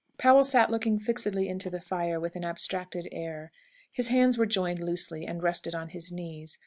Powell sat looking fixedly into the fire with an abstracted air. His hands were joined loosely, and rested on his knees.